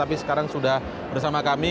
tapi sekarang sudah bersama kami